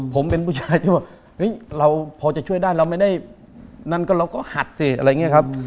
ผมเป็นผู้ชายที่ว่าเฮ้ยเราพอจะช่วยได้เราไม่ได้นั่นก็เราก็หัดสิอะไรอย่างนี้ครับ